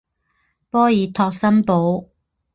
波尔托新堡。